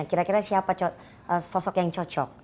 kira kira siapa sosok yang cocok